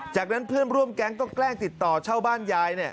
จากนั้นเพื่อนร่วมแก๊งก็แกล้งติดต่อเช่าบ้านยาย